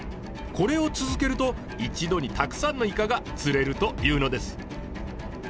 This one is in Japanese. これを続けると一度にたくさんのイカが釣れるというのです。